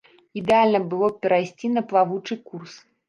Ідэальна было б перайсці на плаваючы курс.